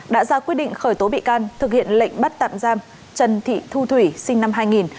đã ra quyết định khởi tố bị can thực hiện lệnh bắt tạm giam trần thị thu thủy sinh năm hai nghìn